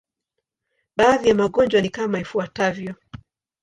Baadhi ya magonjwa ni kama ifuatavyo.